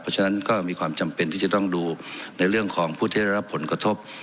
เพราะฉะนั้นก็มีความจำเป็นที่จะต้องดูในเรื่องของผู้ที่ได้รับผลกระทบ